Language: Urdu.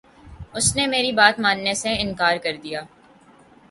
اس نے میری بات ماننے سے انکار کر دیا